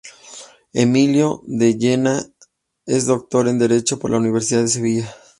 Emilio de Llera es doctor en Derecho por la Universidad de Sevilla.